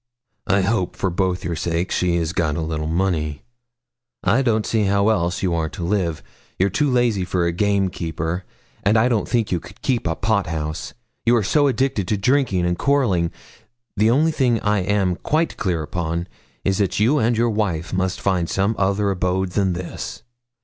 'I hope, for both your sakes, she has got a little money. I don't see how you are to live else. You're too lazy for a game keeper; and I don't think you could keep a pot house, you are so addicted to drinking and quarrelling. The only thing I am quite clear upon is, that you and your wife must find some other abode than this.